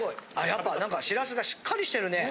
やっぱ何かしらすがしっかりしてるね。